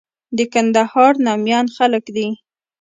د کندهار ناميان خلک دي.